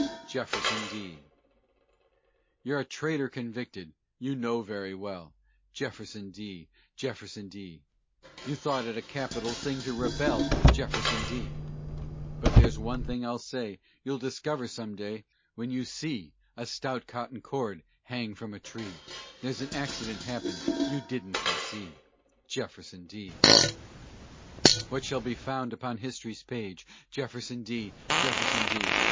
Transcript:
JEFFERSON D. You're a traitor convicted, you know very well! Jefferson D., Jefferson D.! You thought it a capital thing to rebel, Jefferson D.! But there's one thing I'll say: You'll discover some day, When you see a stout cotton cord hang from a tree, There's an accident happened you didn't foresee, Jefferson D.! What shall be found upon history's page? Jefferson D., Jefferson D.!